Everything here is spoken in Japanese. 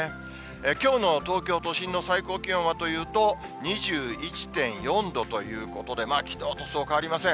きょうの東京都心の最高気温はというと、２１．４度ということで、きのうとそう変わりません。